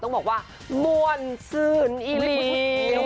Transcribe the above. หมวนสื่นอีลี